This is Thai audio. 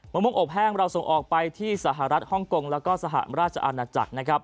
มะม่วงอบแห้งเราส่งออกไปที่สหรัฐฮ่องกงแล้วก็สหราชอาณาจักรนะครับ